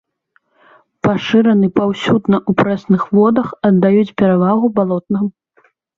Пашыраны паўсюдна ў прэсных водах, аддаюць перавагу балотным.